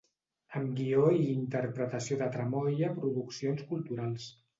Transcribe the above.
Amb guió i interpretació de Tramoia Produccions Culturals.